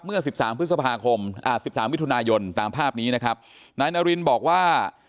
เมื่อ๑๓วิธุนายนตามภาพนี้นะครับนายนารินบอกว่า